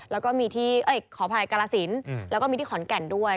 แล้วก็มีที่ขออภัยกาลสินแล้วก็มีที่ขอนแก่นด้วย